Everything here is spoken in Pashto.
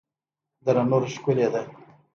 دره نور ښکلې ده؟